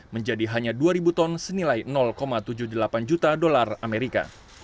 menjadi hanya dua ribu ton senilai tujuh puluh delapan juta dolar amerika